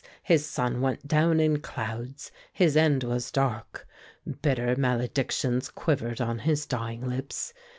his sun went down in clouds. His end was dark. Bitter maledictions quivered on his dying lips.